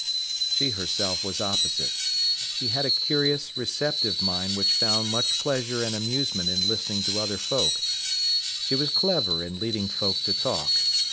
She herself was opposite. She had a curious, receptive mind which found much pleasure and amusement in listening to other folk. She was clever in leading folk to talk.